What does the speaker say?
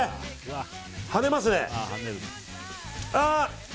はねますね。